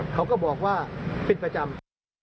เขาก็บอกว่าเป็นประจำ